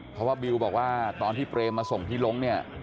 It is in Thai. เพราะว่าบิวบอกว่าตอนที่เปรมมาส่งพี่ลงเนี่ย